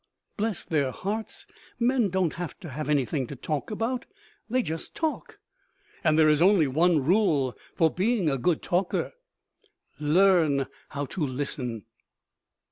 Bless their hearts, men don't have to have anything to talk about. They just talk. And there is only one rule for being a good talker: learn how to listen.